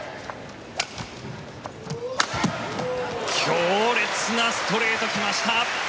強烈なストレート、来ました。